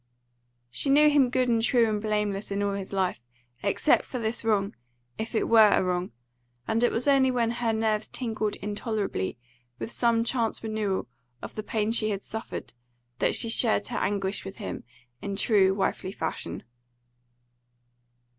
She knew him good and true and blameless in all his life, except for this wrong, if it were a wrong; and it was only when her nerves tingled intolerably with some chance renewal of the pain she had suffered, that she shared her anguish with him in true wifely fashion.